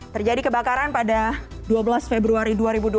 terjadi kebakaran pada dua belas februari dua ribu dua puluh